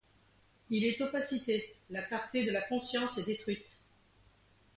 Il est opacité, la clarté de la conscience est détruite.